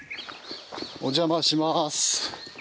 お邪魔します。